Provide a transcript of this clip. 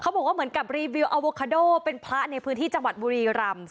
บอกว่าเหมือนกับรีวิวอโวคาโดเป็นพระในพื้นที่จังหวัดบุรีรำ